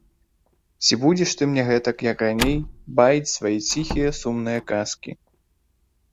Ці будзеш ты мне гэтак, як раней, баіць свае ціхія, сумныя казкі?